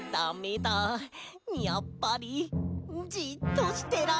やっぱりじっとしてられない！